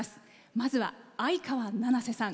まずは相川七瀬さん。